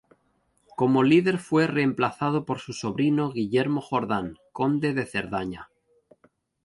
Como líder fue reemplazado por su sobrino Guillermo Jordán, conde de Cerdaña.